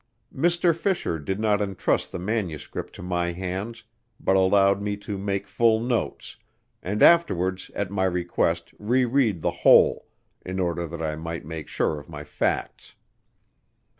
Mr. Fisher did not entrust the manuscript to my hands but allowed me to make full notes, and afterwards at my request re read the whole, in order that I might make sure of my facts.